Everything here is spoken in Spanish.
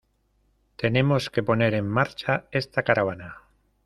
Tenemos que poner en marcha esta caravana.